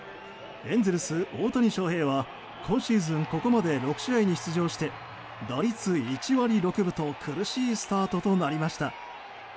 エンゼルス、大谷翔平は今シーズンここまで６試合に出場して打率１割６分と苦しいスタートとなりました。